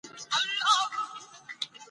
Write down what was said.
د دې ژبې درناوی د هر چا دنده ده.